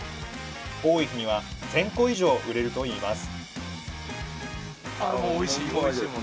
多い日には１，０００個以上売れるといいます